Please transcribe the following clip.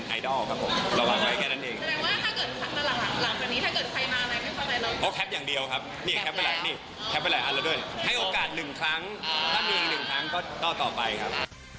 ให้โอกาสหนึ่งครั้งถ้ามีอีกหนึ่งครั้งก็ต่อต่อไปครับ